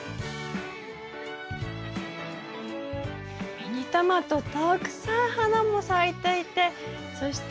ミニトマトたくさん花も咲いていてそして